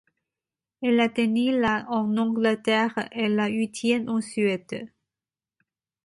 Elle atteignit la en Angleterre, et la huitième en Suède.